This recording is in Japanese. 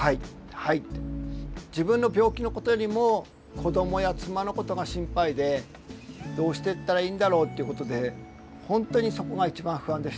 自分の病気のことよりも子どもや妻のことが心配でどうしていったらいいんだろうっていうことで本当にそこが一番不安でした。